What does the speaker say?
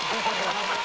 ハハハ。